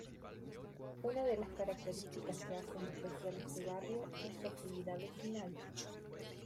Una de las características que hacen especial este barrio es su actividad vecinal.